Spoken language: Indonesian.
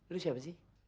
lu siapa sih